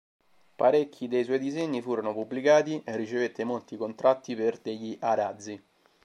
Parecchi dei suoi disegni furono pubblicati e ricevette molti contratti per degli arazzi.